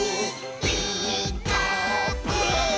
「ピーカーブ！」